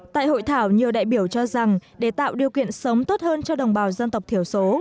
tại hội thảo nhiều đại biểu cho rằng để tạo điều kiện sống tốt hơn cho đồng bào dân tộc thiểu số